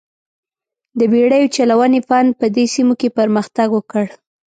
د بېړیو چلونې فن په دې سیمو کې پرمختګ وکړ.